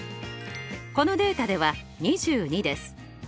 このデータでは２２です。